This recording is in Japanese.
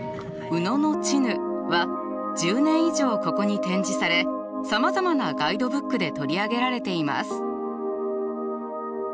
「宇野のチヌ」は１０年以上ここに展示されさまざまなガイドブックで取り上げられています。